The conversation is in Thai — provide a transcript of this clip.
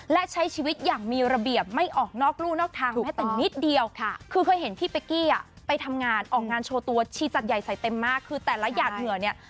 เพราะว่าเธอเนี่ยเคยตกอับมาก่อน